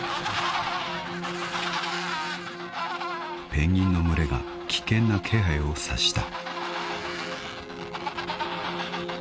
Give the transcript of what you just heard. ［ペンギンの群れが危険な気配を察した］